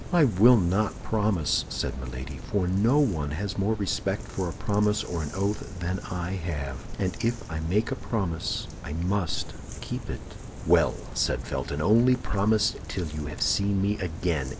"I will not promise," said Milady, "for no one has more respect for a promise or an oath than I have; and if I make a promise I must keep it." "Well," said Felton, "only promise till you have seen me again.